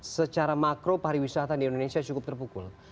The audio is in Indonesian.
secara makro pariwisata di indonesia cukup terpukul